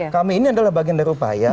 kami ini adalah bagian dari upaya